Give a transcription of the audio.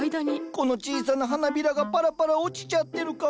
この小さな花びらがパラパラ落ちちゃってるかも。